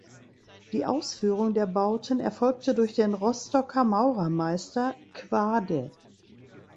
Die Ausführung der Bauten erfolgte durch den Rostocker Maurermeister Quade.